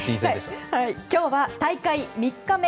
今日は大会３日目。